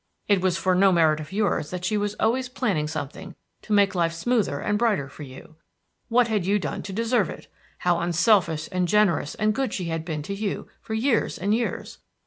It was for no merit of yours that she was always planning something to make life smoother and brighter for you. What had you done to deserve it? How unselfish and generous and good she has been to you for years and years!